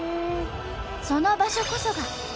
その場所こそがええ！